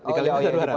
di kalimantan barat